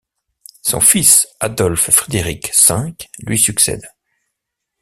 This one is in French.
Son fils Adolphe-Frédéric V lui succède.